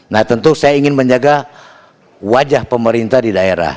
nah tentu saya ingin menjaga wajah pemerintah di daerah